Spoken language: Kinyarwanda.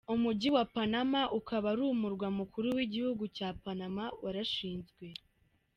Umujyi wa Panama ukaba ari umurwa mukuru w’igihugu cya Panama warashinzwe.